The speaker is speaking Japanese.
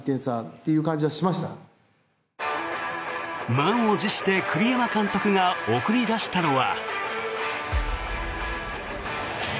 満を持して栗山監督が送り出したのは。